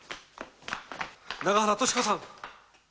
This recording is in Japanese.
長原敏子さん！